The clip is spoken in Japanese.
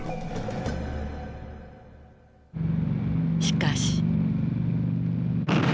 しかし。